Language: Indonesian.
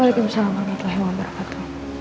waalaikumsalam warahmatullahi wabarakatuh